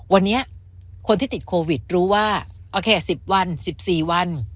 วันนี้คนที่ติดโควิดรู้ว่าโอเค๑๐วัน๑๔วัน